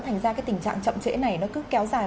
thành ra cái tình trạng chậm trễ này nó cứ kéo dài